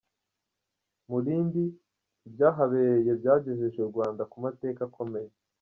Mulindi Ibyahabereye byagejeje u Rwanda ku mateka akomeye